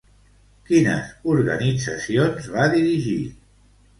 Quines organitzacions va dirigir?